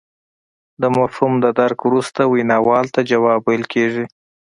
د مفهوم د درک وروسته ویناوال ته ځواب ویل کیږي